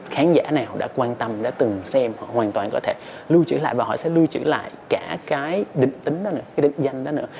khán giả nào đã quan tâm đã từng xem họ hoàn toàn có thể lưu trữ lại và họ sẽ lưu trữ lại cả cái định tính đó cái định danh đó nữa